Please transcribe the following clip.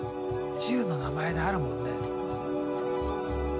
銃の名前であるもんね。